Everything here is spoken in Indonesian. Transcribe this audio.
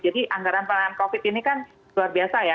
jadi anggaran penanganan covid ini kan luar biasa ya